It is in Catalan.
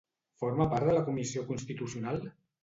Forma part de la Comissió Constitucional?